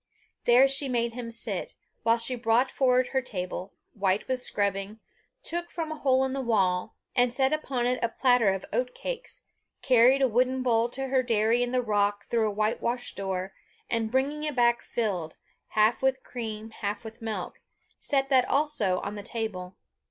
There she made him sit, while she brought forward her table, white with scrubbing, took from a hole in the wall and set upon it a platter of oatcakes, carried a wooden bowl to her dairy in the rock through a whitewashed door, and bringing it back filled, half with cream half with milk, set that also on the table.